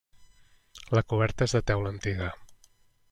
La coberta és de teula antiga.